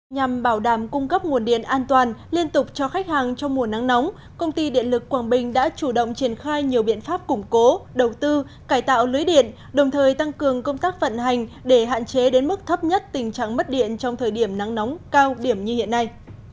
nhằm bảo đảm cung cấp nguồn điện an toàn liên tục cho khách hàng trong mùa nắng nóng công ty điện lực quảng bình đã chủ động triển khai nhiều biện pháp củng cố đầu tư cải tạo lưới điện đồng thời tăng cường công tác vận hành để hạn chế đến mức thấp nhất tình trạng mất điện trong thời điểm nắng nóng cao điểm như hiện nay